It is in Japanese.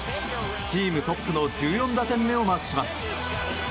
チームトップの１４打点目をマークします。